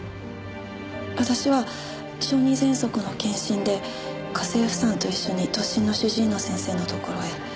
私は小児ぜんそくの検診で家政婦さんと一緒に都心の主治医の先生のところへ。